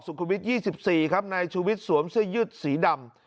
สุขุนวิทย์๒๔ครับในชุวิตสวมเสื้อยืดสีดำ